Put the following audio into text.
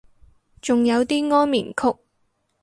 仲有啲安眠曲